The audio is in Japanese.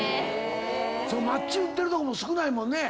⁉マッチ売ってるとこも少ないもんね。